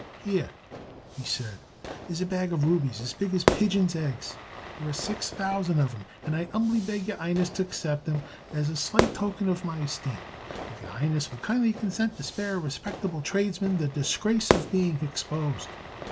"Here," he said, "is a bag of rubies as big as pigeon's eggs. There are six thousand of them, and I 'umbly beg your 'Ighness to haccept them as a slight token hof my hesteem, if your 'Ighness will kindly consent to spare a respeckable tradesman the disgrace of being hexposed."